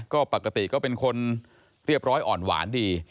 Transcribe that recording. ก็ปกติก็เป็นคนเรียบร้อยอ่อนหวานดี